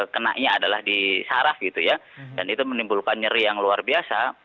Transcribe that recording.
kenaknya adalah disaraf gitu ya dan itu menimbulkan nyeri yang luar biasa